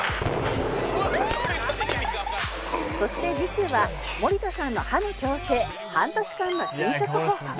そして次週は森田さんの歯の矯正半年間の進捗報告